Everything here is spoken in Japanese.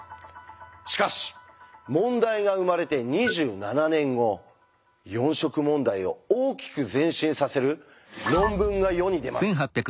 しかし問題が生まれて２７年後四色問題を大きく前進させる論文が世に出ます。